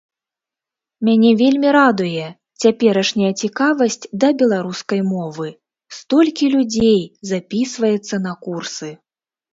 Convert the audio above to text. Мяне вельмі радуе цяперашняя цікавасць да беларускай мовы, столькі людзей запісваецца на курсы.